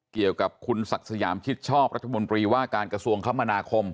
เกี่ยวกับคุณศักดิ์สยามชิดชอบรัฐมนตรีว่าการกระทรวงคมนาคม